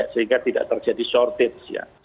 sehingga tidak terjadi shortage